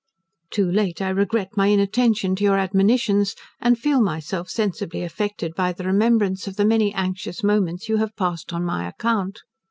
"Too late I regret my inattention to your admonitions, and feel myself sensibly affected by the remembrance of the many anxious moments you have passed on my account.